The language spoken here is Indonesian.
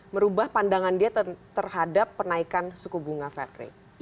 merubah pandangan dia terhadap penaikan suku bunga fed ray